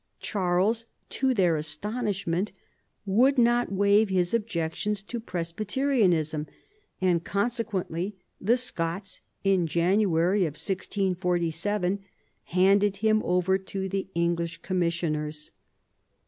Charles, to their astonishinent, would not waive his objections to Presbyterianism, and consequently the Scots in January 1647 handed him over to the English Commissioners.